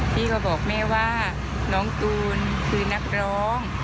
พี่ก็บอกแม่ว่าน้องตูนคือนักร้อง